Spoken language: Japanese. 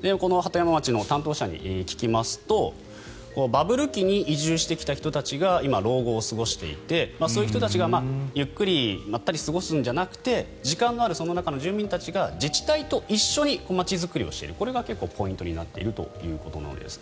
鳩山町の担当者に聞きますとバブル期に移住してきた人たちが今、老後を過ごしていてそういう人たちがゆったりまったり過ごすんじゃなくて時間があるその中の住民たちが自治体と一緒に街づくりをしているこれがポイントになっているということのようです。